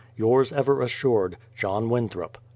Yours ever assured. JOHN WINTHROP.